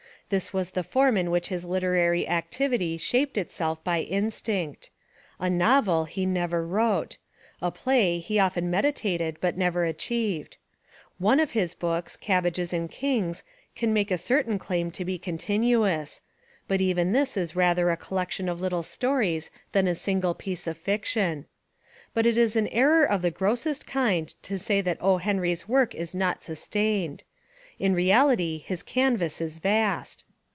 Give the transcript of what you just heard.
This was the form In which his literary activity shaped Itself by instinct. A novel he never wrote. A play he often meditated but never achieved. One of his books, — Cabbages and Kings, — can make a certain claim to be con tinuous. But even this is rather a collection of little stories than a single piece of fiction. But it is an error of the grossest kind to say that O. Henry's work is not sustained. In reality his canvas is vast.